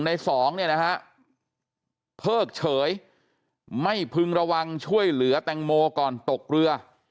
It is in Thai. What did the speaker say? ในสองเนี่ยนะฮะเพิกเฉยไม่พึงระวังช่วยเหลือแตงโมก่อนตกเรือ